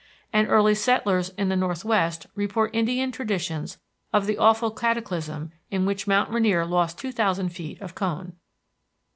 And early settlers in the northwest report Indian traditions of the awful cataclysm in which Mount Rainier lost two thousand feet of cone.